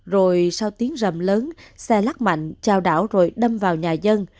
rồi sau tiếng rầm lớn xe lắc mạnh trao đảo rồi đâm vào nhà dân